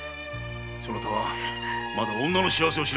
そなたはまだ女の幸せを知らん。